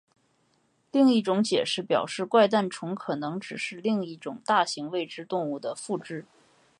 另一种解释表示怪诞虫可能只是另一种大型未知动物的附肢。